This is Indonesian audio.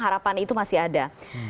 harapan itu masih ada